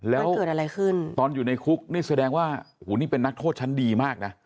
แล้วเกิดอะไรขึ้นตอนอยู่ในคุกนี่แสดงว่าโอ้โหนี่เป็นนักโทษชั้นดีมากนะ